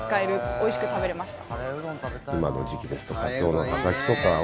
おいしく食べれました。